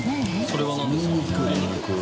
それは何ですか？